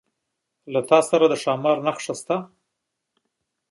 ستا څخه د ښامار نخښه شته؟